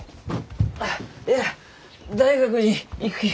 あいや大学に行くき。